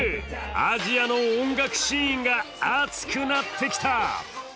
アジアの音楽シーンが熱くなってきた！